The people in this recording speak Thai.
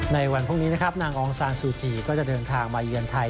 ในวันพรุ่งนี้นะครับนางองซานซูจีก็จะเดินทางมาเยือนไทย